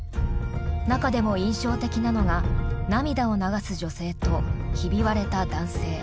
中でも印象的なのが涙を流す女性とひび割れた男性。